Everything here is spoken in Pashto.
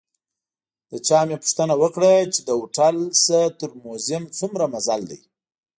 له چا مې پوښتنه وکړه چې له هوټل نه تر موزیم څومره مزل دی.